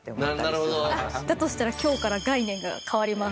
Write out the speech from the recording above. だとしたら今日から概念が変わります。